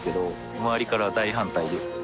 周りからは大反対で